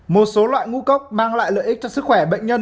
một số loại ngũ cốc mang lại lợi ích cho sức khỏe bệnh nhân